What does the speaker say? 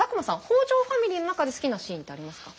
北条ファミリーの中で好きなシーンってありますか？